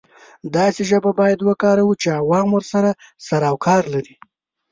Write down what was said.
داسې ژبه باید وکاروو چې عوام ورسره سر او کار لري.